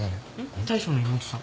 大将の妹さん。